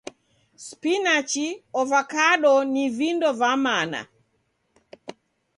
Spinachi, ovakado, ni vindo va mana.